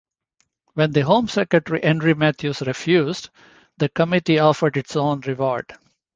When the Home Secretary Henry Matthews refused, the committee offered its own reward.